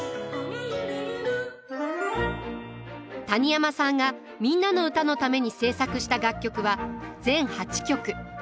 谷山さんが「みんなのうた」のために制作した楽曲は全８曲。